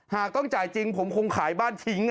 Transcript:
หากต้องจ่ายจริงผมคงขายบ้านทิ้ง